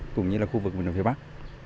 cũng như là khu vực việt nam phía bắc